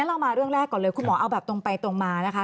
เรามาเรื่องแรกก่อนเลยคุณหมอเอาแบบตรงไปตรงมานะคะ